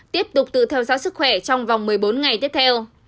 tiếp tục tự theo dõi sức khỏe trong vòng một mươi bốn ngày tiếp theo